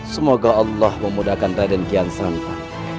semoga allah memudahkan raden kian santa